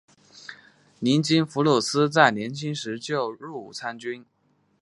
尼基弗鲁斯在年轻时就入伍参军。